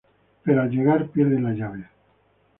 Pero al llegar, pierden la llave.